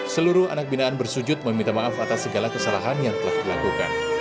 seluruh anak binaan bersujud meminta maaf atas segala kesalahan yang telah dilakukan